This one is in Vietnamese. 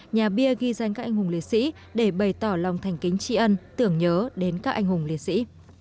nhà bia ghi danh các anh hùng liệt sĩ để bày tỏ lòng thành kính tri ân tưởng nhớ đến các anh hùng liệt sĩ